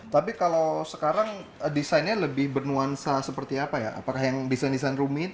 tapi kalau sekarang desainnya lebih bernuansa seperti apa ya apakah yang desain desain rumit